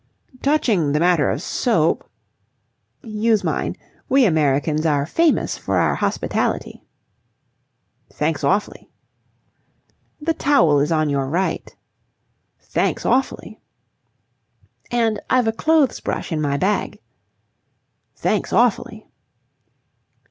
"Touching the matter of soap..." "Use mine. We Americans are famous for our hospitality." "Thanks awfully." "The towel is on your right." "Thanks awfully." "And I've a clothes brush in my bag." "Thanks awfully."